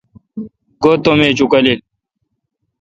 گو تم ایج اکالیل